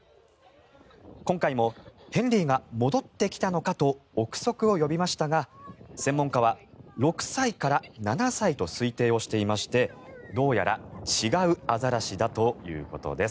今回もヘンリーが戻ってきたのかと臆測を呼びましたが専門家は６歳から７歳と推定をしていましてどうやら違うアザラシだということです。